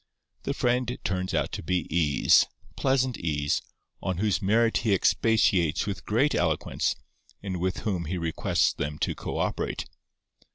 The friend turns out to be Ease—pleasant Ease—on whose merits he expatiates with great eloquence, and with whom he requests them to co operate.